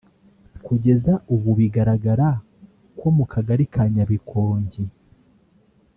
Kugeza ubu bigaragara ko mu Kagari ka Nyabikonki